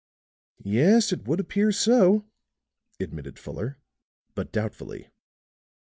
"Yes, it would appear so," admitted Fuller, but doubtfully.